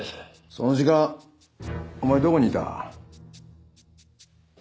その時間お前どこにいた？